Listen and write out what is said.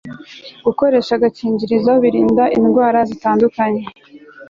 gukoresha agakingirizo birinda indwara zitandukanye